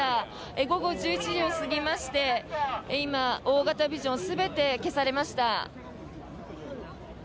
午後１１時を過ぎまして今、大型ビジョン全て消されました。